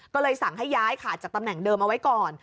ก็เลยสั่งให้ย้ายขาดจากตำแหน่งเดิมเอาไว้ก่อน